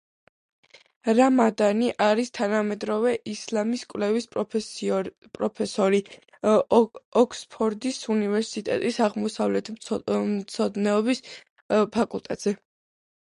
რამადანი არის თანამედროვე ისლამის კვლევის პროფესორი, ოქსფორდის უნივერსიტეტის აღმოსავლეთმცოდნეობის ფაკულტეტზე.